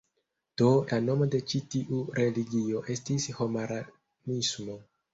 Do, la nomo de ĉi tiu religio estis Homaranismo.